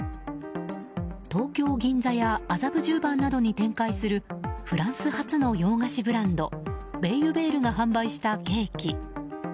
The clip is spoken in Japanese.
東京・銀座や麻布十番などに展開するフランス発の洋菓子ブランドベイユヴェールが販売したケーキ。